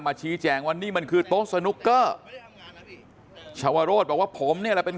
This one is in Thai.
มาชี้แจ้งว่านี่มันคือโต๊ะสนุ๊กเกอร์ชวโรธว่าผมเนี่ยเป็น